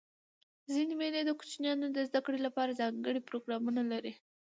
ځيني مېلې د کوچنيانو د زدهکړي له پاره ځانګړي پروګرامونه لري.